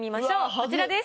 こちらです。